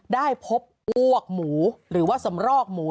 ได้พบอ้วกหมูหรือว่าสำรอกหมู